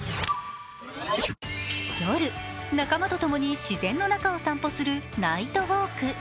夜、仲間とともに自然の中を散歩するナイトウオーク。